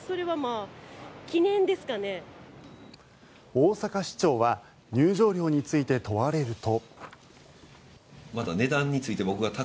大阪市長は入場料について問われると。